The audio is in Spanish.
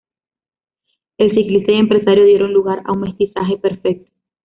El ciclista y empresario dieron lugar a un mestizaje perfecto.